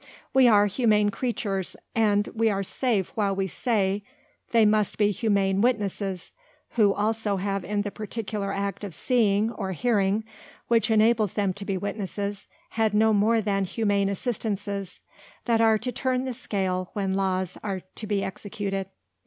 We are Humane Creatures, and we are safe while we say, they must be Humane Witnesses, who also have in the particular Act of Seeing, or Hearing, which enables them to be Witnesses, had no more than Humane Assistances, that are to turn the Scale when Laws are to be executed.